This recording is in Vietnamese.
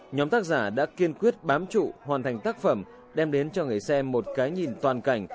nhóm tác giả đã kiên quyết bám trụ hoàn thành tác phẩm đem đến cho người xem một cái nhìn toàn cảnh